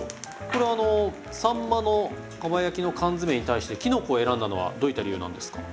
これはあのさんまのかば焼きの缶詰に対してきのこを選んだのはどういった理由なんですか？